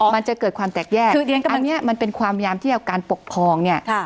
มันจะเกิดความแตกแยกอันนี้มันเป็นความยามที่เอาการปกครองเนี่ย